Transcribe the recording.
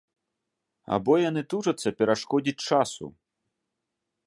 Або яны тужацца перашкодзіць часу.